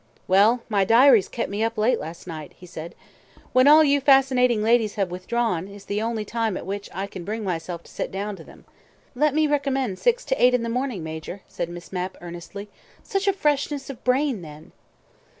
"Well, my diaries kept me up late last night," he said. "When all you fascinating ladies have withdrawn is the only time at which I can bring myself to sit down to them." "Let me recommend six to eight in the morning, Major," said Miss Mapp earnestly. "Such freshness of brain then."